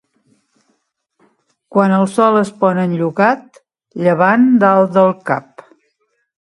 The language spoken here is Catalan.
Quan el sol es pon enllocat, llevant dalt del cap.